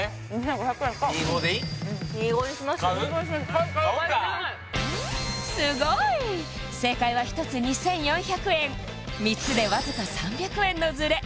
買おうか・買う買うすごい正解は１つ２４００円３つでわずか３００円のズレ